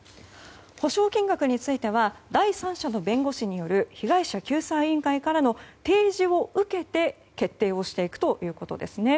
補償金額については第三者の弁護士による被害者救済委員会からの提示を受けて決定していくということです。